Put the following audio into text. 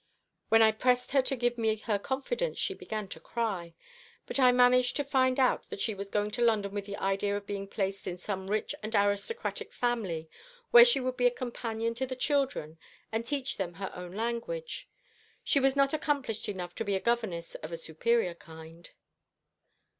When I pressed her to give me her confidence, she began to cry; but I managed to find out that she was going to London with the idea of being placed in some rich and aristocratic family, where she would be a companion to the children and teach them her own language. She was not accomplished enough to be a governess of a superior kind."